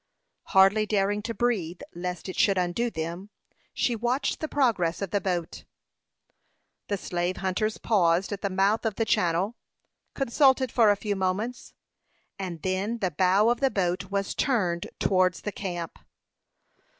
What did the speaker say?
Hardly daring to breathe lest it should undo them, she watched the progress of the boat. The slave hunters paused at the mouth of the channel, consulted for a few moments, and then the bow of the boat was turned towards the camp.